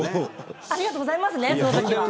ありがとうございますねそのときは。